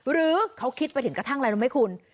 หรือเขาคิดไปถึงกระทั่งอะไรรู้ไหมคุณ